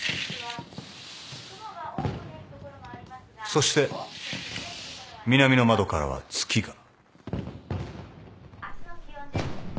・・そして南の窓からは月が。